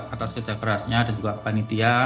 atas kerja kerasnya dan juga panitia